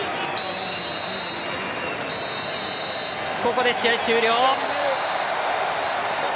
ここで試合終了！